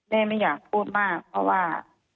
แม่ไม่อยากพูดมากเพราะว่า